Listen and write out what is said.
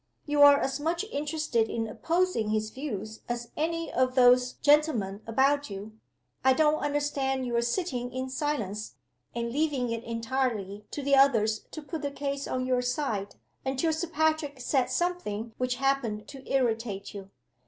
You are as much interested in opposing his views as any of those gentlemen about you. I don't understand your sitting in silence, and leaving it entirely to the others to put the case on your side until Sir Patrick said something which happened to irritate you.